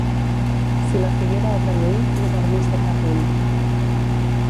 Si la figuera obre l'ull, no dormis de cap ull.